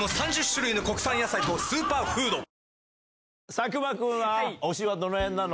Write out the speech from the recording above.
佐久間君は推しはどの辺なの？